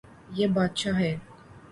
یے بدشاہ ہے